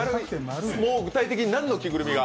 具体的に何の着ぐるみが？